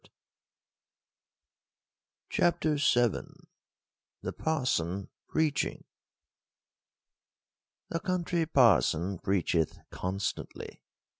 CHAPTER VII. 5rt)c 33arson ^Preacjing. The Country Parson preacheth constantly.